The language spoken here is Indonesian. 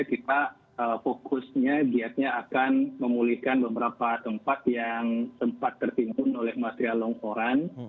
kita fokusnya giatnya akan memulihkan beberapa tempat yang sempat tertimbun oleh material longsoran